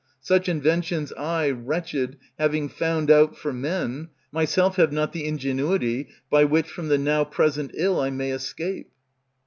Such inventions I wretched having found out For men, myself have not the ingenuity by which From the now present ill I may escape.